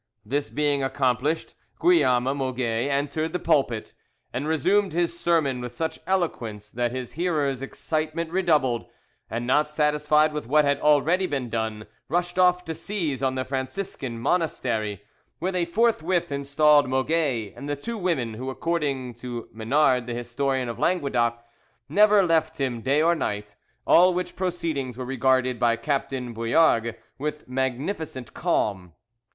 This being accomplished, Guillaume Moget entered the pulpit, and resumed his sermon with such eloquence that his hearers' excitement redoubled, and not satisfied with what had already been done, rushed off to seize on the Franciscan monastery, where they forthwith installed Moget and the two women, who, according to Menard the historian of Languedoc, never left him day or night; all which proceedings were regarded by Captain Bouillargues with magnificent calm.